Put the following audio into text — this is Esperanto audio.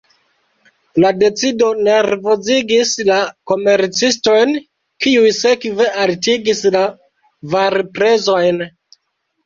La decido nervozigis la komercistojn, kiuj sekve altigis la varprezojn.